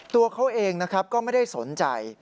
ตัวเขาเองก็ไม่ได้สนใจ